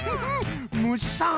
むしさん。